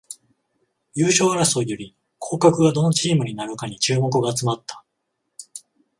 優勝争いより降格がどのチームになるかに注目が集まった